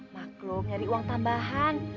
maklum nyari uang tambahan